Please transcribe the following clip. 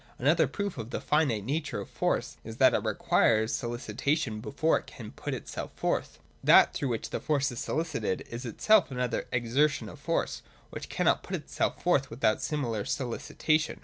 Another proof of the finite nature of force is that it requires solicitation before it can put itself forth. That through which the force is solicited, is itself another exertion of force, which cannot put itself forth without similar solicitation.